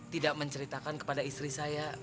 tidak menceritakan kepada istri saya